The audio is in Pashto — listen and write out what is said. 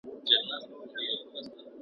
مه وایه: دا کار وکړه.